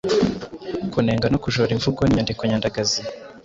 Kunenga no kujora imvugo n’inyandiko nyandagazi.